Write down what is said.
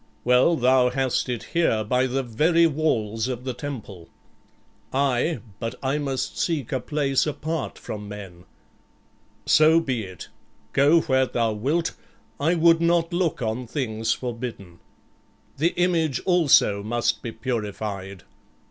"Well, thou hast it here, by the very walls of the temple." "Aye, but I must seek a place apart from men." "So be it; go where thou wilt; I would not look on things forbidden." "The image also must be purified."